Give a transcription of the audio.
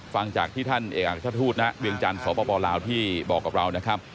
ฟังจากที่ท่านเอกราชทูตนะเวียงจันทร์สปลาวที่บอกกับเรานะครับ